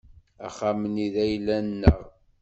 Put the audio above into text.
Axxam-nni d ayla-nneɣ.